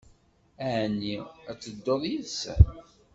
Ɛni ad tedduḍ yid-sen?